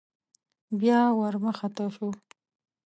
بيا ور مخته شو.